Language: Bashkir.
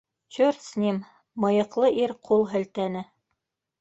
Черт с ним, - мыйыҡлы ир ҡул һелтәне.